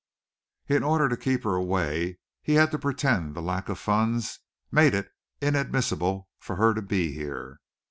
In order to keep her away he had to pretend that lack of funds made it inadmissible for her to be here.